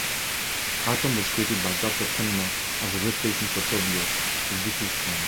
Atom was created by Doctor Tenma as a 'replacement' for Tobio, his deceased son.